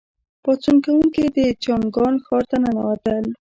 پاڅون کوونکي د چانګان ښار ته ننوتل.